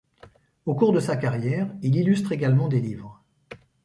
Au cours de sa carrière, il illustre également des livres.